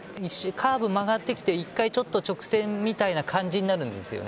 カーブを回ってきて１回、直線みたいな感じになるんです。